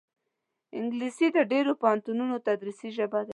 انګلیسي د ډېرو پوهنتونونو تدریسي ژبه ده